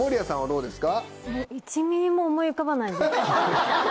どうですか？